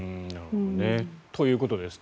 ということですって。